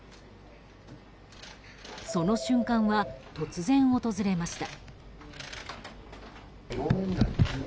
その瞬間は突然、訪れました。